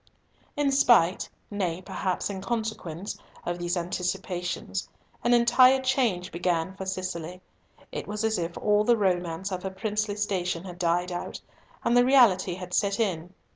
In spite—nay, perhaps, in consequence—of these anticipations, an entire change began for Cicely. It was as if all the romance of her princely station had died out and the reality had set in.